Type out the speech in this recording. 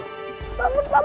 centirekan kongsi pasangan